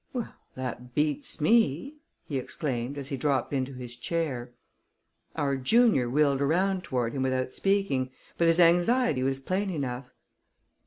"Well, that beats me!" he exclaimed, as he dropped into his chair. Our junior wheeled around toward him without speaking, but his anxiety was plain enough.